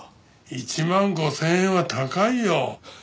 １万５０００円は高いよ！